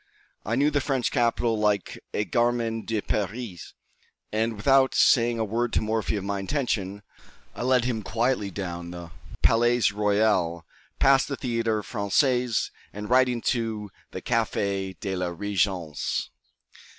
I knew the French capital like a gamin de Paris; and, without saying a word to Morphy of my intention, I led him quietly down the Palais Royal, past the Théâtre Français, and right into the Café de la Régence.